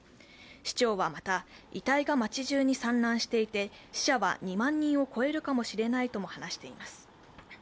市長はまた、遺体が街中に散乱していて死者は２万人を超えるかもしれないとも話しています。